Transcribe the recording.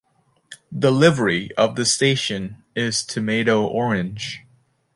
The livery of the station is tomato orange.